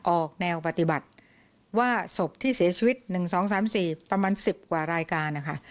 ออกแนวปฏิบัติว่าศพที่เสียชีวิต๑๒๓๔ประมาณ๑๐กว่ารายการนะคะ